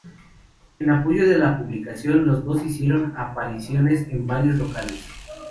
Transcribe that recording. En apoyo de la publicación los dos hicieron apariciones en varios locales.